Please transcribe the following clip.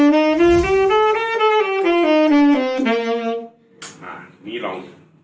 เริ่มนี้ลอง